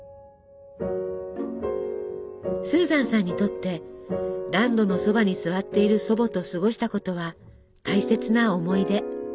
スーザンさんにとって暖炉のそばに座っている祖母と過ごしたことは大切な思い出。